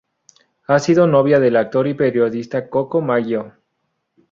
Ha sido novia del actor y periodista Coco Maggio.